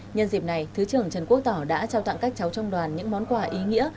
nhân dịp này thứ trưởng trần quốc tỏ đã trao tặng các cháu trong đoàn những món quà ý nghĩa